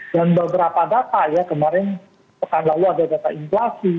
dan beberapa data ya kemarin pekan lalu ada data inflasi